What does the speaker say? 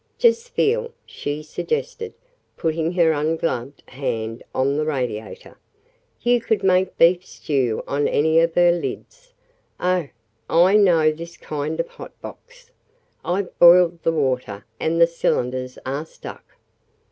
Just feel," she suggested, putting her ungloved hand on the radiator. "You could make beef stew on any of her lids. Oh, I know this kind of hot box! I've boiled the water, and the cylinders are stuck."